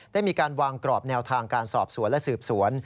ได้มีการวางกรอบแนวทางการสอบสวนและสืบสวน